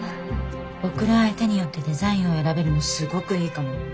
贈る相手によってデザインを選べるのすごくいいかも。